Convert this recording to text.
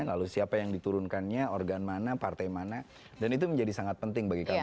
lalu siapa yang diturunkannya organ mana partai mana dan itu menjadi sangat penting bagi kami